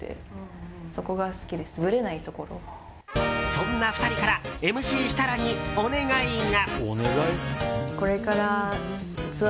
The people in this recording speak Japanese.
そんな２人からＭＣ設楽にお願いが。